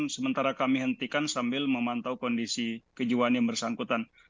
sementara kami hentikan sambil memantau kondisi kejiwaan yang bersangkutan